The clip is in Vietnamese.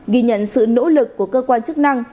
ghi nhận sự nỗ lực của cơ quan chức năng